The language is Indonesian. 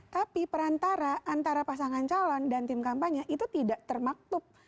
tapi perantara antara pasangan calon dan tim kampanye itu tidak termaktub